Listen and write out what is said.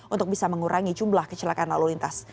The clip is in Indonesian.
untuk bisa mengurangi jumlah kecelakaan lalu lintas